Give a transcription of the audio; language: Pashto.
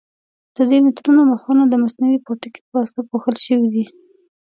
د دې مترونو مخونه د مصنوعي پوټکي په واسطه پوښل شوي دي.